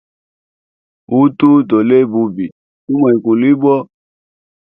Utu tolea bubi, tumwa ikulibwa.